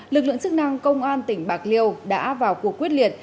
lực lượng chức năng công an tỉnh bạc liêu đã vào cuộc quyết liệt